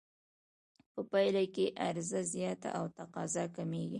په پایله کې عرضه زیاته او تقاضا کمېږي